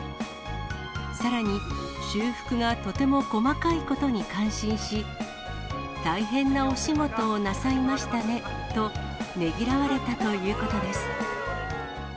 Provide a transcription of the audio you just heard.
さらに、修復がとても細かいことに感心し、大変なお仕事をなさいましたねとねぎらわれたということです。